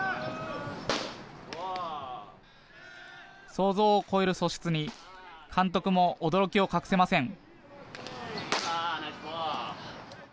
想像を超える素質に監督も驚きを隠せません。